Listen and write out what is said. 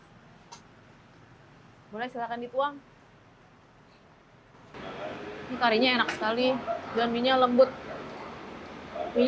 menu big bowl karimi memadukan cita rasad tiongkok dan melayu sejak dibuka lima tahun lalu hidangan ini telah menjadikan meerena dalam beating